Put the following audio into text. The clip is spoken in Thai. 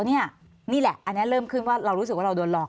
นี่แหละเริ่มขึ้นว่าเรารู้สึกเราโดนหลอก